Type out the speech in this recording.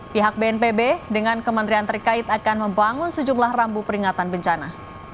pihak bnpb dengan kementerian terkait akan membangun sejumlah rambu peringatan bencana